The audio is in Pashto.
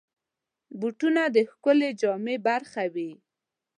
بوټونه د ښکلې جامې برخه وي.